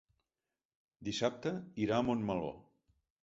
Dissabte irà a Montmeló.